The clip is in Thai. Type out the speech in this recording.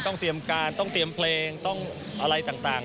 เตรียมการต้องเตรียมเพลงต้องอะไรต่าง